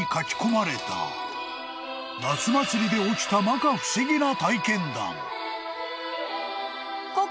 ［夏祭りで起きたまか不思議な体験談］